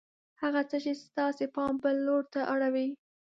هغه څه چې ستاسې پام بل لور ته اړوي